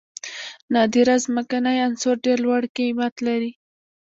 نادره ځمکنۍ عناصر ډیر لوړ قیمت لري.